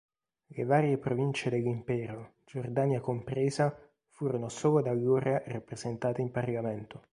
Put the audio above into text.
Le varie province dell'Impero, Giordania compresa, furono solo da allora rappresentate in Parlamento.